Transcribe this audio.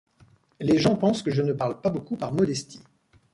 Les gens pensent que je ne parle pas beaucoup par modestie.